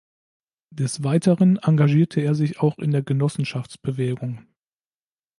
Des Weiteren engagierte er sich auch in der Genossenschaftsbewegung.